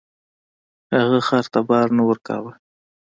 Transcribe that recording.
هغه خر ته بار نه ورکاوه.